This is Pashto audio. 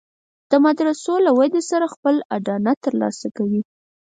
د مدرسو له ودې سره خپله اډانه تر لاسه کوي.